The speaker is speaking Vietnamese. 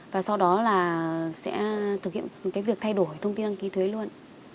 và sau đó là sẽ thực hiện cái việc thay đổi thông tin đăng ký thuế luôn